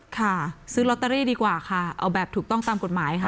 ค่ะซื้อลอตเตอรี่ดีกว่าค่ะเอาแบบถูกต้องตามกฎหมายค่ะ